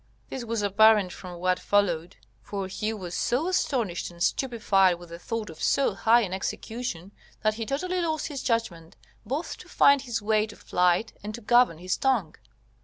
This was apparent from what followed; for he was so astonished and stupefied with the thought of so high an execution, that he totally lost his judgment both to find his way to flight and to govern his tongue.